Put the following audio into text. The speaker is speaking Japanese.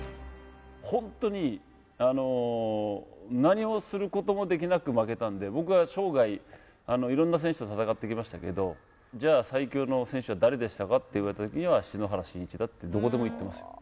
本当に、何もすることもできなく負けたんで、僕は生涯、いろんな選手と戦ってきましたけど、じゃあ、最強の選手は誰でしたか？って聞かれたときにはやっぱり篠原信一だとどこでも言ってました。